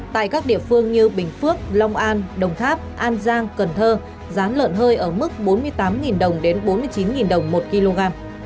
tại các địa phương như bình phước long an đồng tháp an giang cần thơ giá lợn hơi ở mức bốn mươi tám đồng đến bốn mươi chín đồng một kg